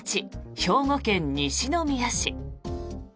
兵庫県西宮市。